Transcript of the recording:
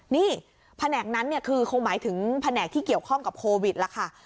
นี่แผนกนั้นเนี่ยคือคงหมายถึงแผนกที่เกี่ยวข้องกับโควิดแล้วค่ะ